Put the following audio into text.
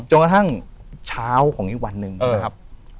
จนกระทั่งเช้าของอีกวันหนึ่งนะครับ